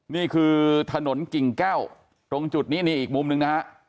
นี่คือถนนกิ่งแก้วตรงจุดนี้นี่อีกมุมหนึ่งนะฮะ